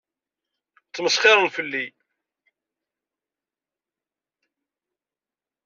Ttmesxiṛent fell-i.